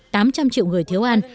tám trăm linh triệu người thiếu ăn